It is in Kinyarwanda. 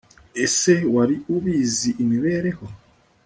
ese wari ubizi imibereho